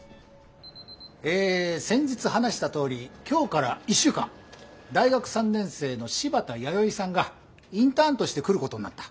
え先日話したとおり今日から１週間大学３年生の柴田弥生さんがインターンとして来ることになった。